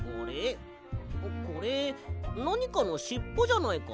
これなにかのしっぽじゃないか？